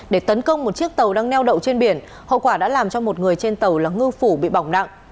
để tấn công một chiếc tàu đang neo đậu trên biển hậu quả đã làm cho một người trên tàu là ngư phủ bị bỏng nặng